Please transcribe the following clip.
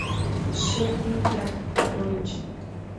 — Шып лий, Яков Петрович!